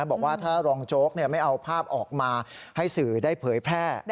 บอกว่าถ้ารองโจ๊กไม่เอาภาพออกมาให้สื่อได้เผยแพร่